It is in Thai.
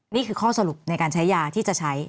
นี่คือข้อสรุปในการใช้ยาที่จะใช้